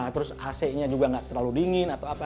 terus ac nya juga nggak terlalu dingin atau apa